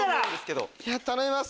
頼みます！